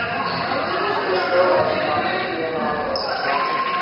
پوست شل از چانهی پیر مرد آویزان بود.